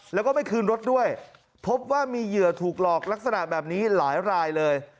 แล้วก็ไม่คืนรถด้วยพบว่ามีเหยื่อถูกหลอกลักษณะแบบนี้หลายรายเลย